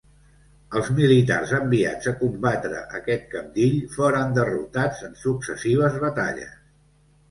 Els militars enviats a combatre aquest cabdill foren derrotats en successives batalles.